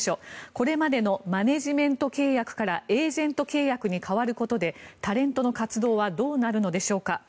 これまでのマネジメント契約からエージェント契約に変わることでタレントの活動はどうなるのでしょうか。